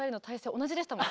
同じでしたもん。